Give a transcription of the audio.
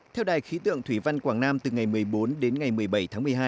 theo đài khí tượng thủy văn quảng nam từ ngày một mươi bốn đến ngày một mươi bảy tháng một mươi hai